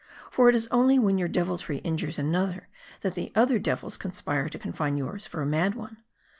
For it is only when your deviltry injures another, that the other devils conspire to confine yours for a mad one.